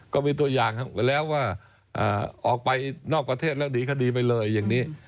ก็มีตัวอย่างไปแล้วว่าออกไปนอกประเทศแล้วหนีคดีไปเลยอย่างนี้